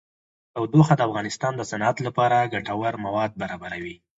تودوخه د افغانستان د صنعت لپاره ګټور مواد برابروي.